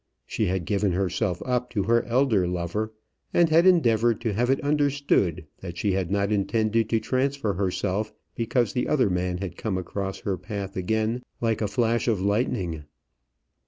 She had given herself up to her elder lover, and had endeavoured to have it understood that she had not intended to transfer herself because the other man had come across her path again like a flash of lightning.